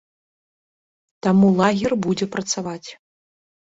Таму лагер будзе працаваць.